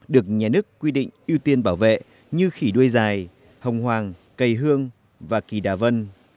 được nhà nước quy định ưu tiên bảo vệ như khỉ đuôi dài hồng hoàng cây hương và kỳ đà vân